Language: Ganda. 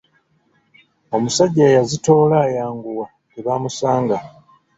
Omusajja yazitoola ayanguwa tebamusanga.